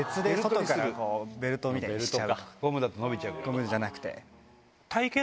ゴムじゃなくて。